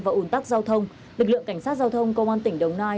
và ủn tắc giao thông lực lượng cảnh sát giao thông công an tỉnh đồng nai